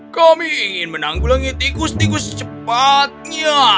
kami ingin menanggulangi tikus tikus secepatnya